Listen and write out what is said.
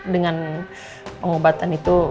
dengan pengobatan itu